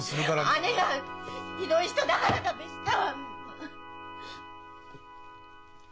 姉がひどい人だからだべした！